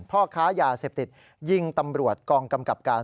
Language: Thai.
พ่อค้ายาเสพติดยิงตำรวจกองกำกับการ